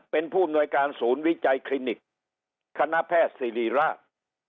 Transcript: เป็นผู้อำนวยการศูนย์วิจัยคลินิกคณะแพทย์ศิริราช